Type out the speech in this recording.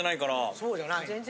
そうじゃないよね。